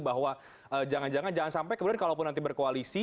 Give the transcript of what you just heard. bahwa jangan jangan jangan sampai kemudian kalau berkoalisi